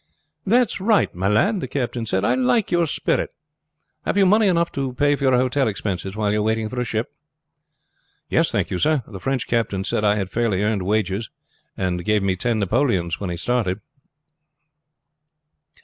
"That's, right, my lad," the captain said. "I like your spirit. Have you money enough to pay for your hotel expenses while you are waiting for a ship?" "Yes, thank you, sir. The French captain said I had fairly earned wages, and gave me ten napoleons when he started."